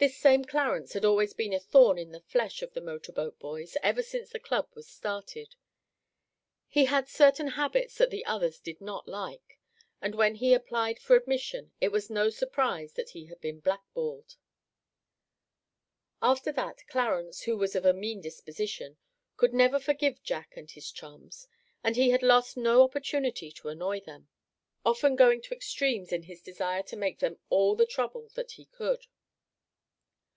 This same Clarence had always been a thorn in the flesh of the motor boat boys ever since the club was started. He had certain habits that the others did not like, and when he applied for admission, it was no surprise that he had been black balled. After that Clarence, who was of a mean disposition, could never forgive Jack and his chums; and he had lost no opportunity to annoy them, often going to extremes in his desire to make them all the trouble that he could.